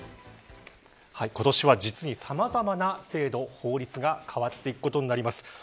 今年は実に、さまざまな制度法律が変わっていくことになります。